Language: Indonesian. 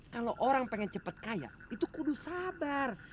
kalau orang pengen cepet kaya itu kudu sabar